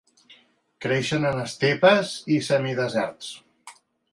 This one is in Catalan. Creixen en estepes i semideserts.